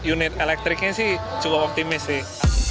unit elektriknya sih cukup optimis sih